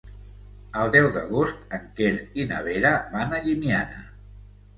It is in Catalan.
El deu d'agost en Quer i na Vera van a Llimiana.